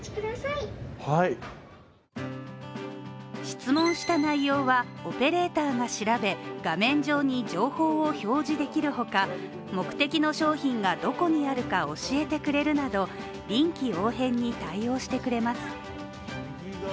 質問した内容は、オペレーターが調べ画面上に情報を表示できるほか目的の商品がどこにあるか教えてくれるなど、臨機応変に対応してくれます。